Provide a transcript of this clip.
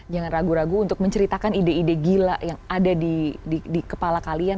jangan ragu ragu untuk menceritakan ide ide gila yang ada di kepala kalian